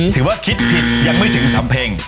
ถือว่าคิดผิดยังไม่ถึงสำเพ็ง